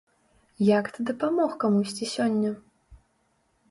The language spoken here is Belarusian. Як ты дапамог камусьці сёння?